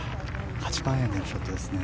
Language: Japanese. ８番アイアンでのショットですね。